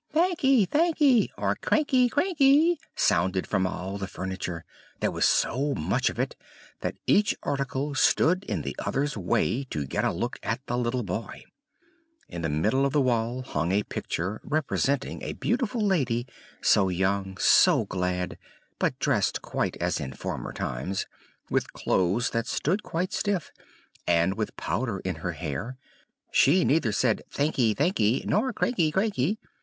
"Thankee! thankee!" or "cranky! cranky!" sounded from all the furniture; there was so much of it, that each article stood in the other's way, to get a look at the little boy. In the middle of the wall hung a picture representing a beautiful lady, so young, so glad, but dressed quite as in former times, with clothes that stood quite stiff, and with powder in her hair; she neither said "thankee, thankee!" nor "cranky, cranky!"